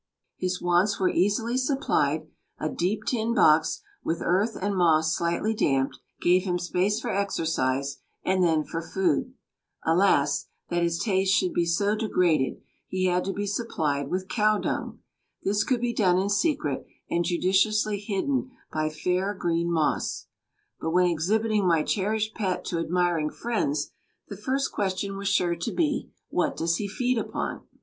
His wants were easily supplied: a deep tin box, with earth and moss slightly damped, gave him space for exercise; and then for food alas! that his tastes should be so degraded he had to be supplied with cow dung! This could be done in secret, and judiciously hidden by fair, green moss; but when exhibiting my cherished pet to admiring friends the first question was sure to be, "What does he feed upon?"